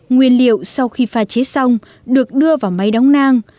nguyên liệu sau khi pha chế xong được đưa vào máy đóng nang